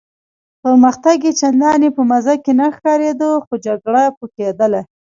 پرمختګ یې چنداني په مزه کې نه ښکارېده، خو جګړه به کېدله.